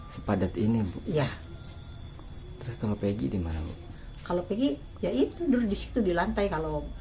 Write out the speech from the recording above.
sepadat ini bu ya terus kalau peggy dimana bu kalau peggy ya itu dulu disitu di lantai kalau